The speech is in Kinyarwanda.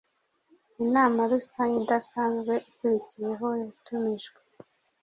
Inama rusange idasanzwe ikurikiyeho yatumijwe